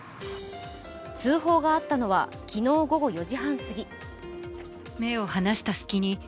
通報があったのは昨日午後４時半すぎ。